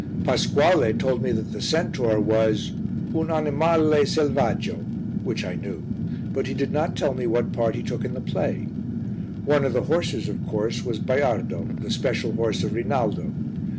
Pasquale told me that the centaur was "un animale selvaggio" which I knew, but he did not tell me what part he took in the play. One of the horses, of course, was Baiardo, the special horse of Rinaldo.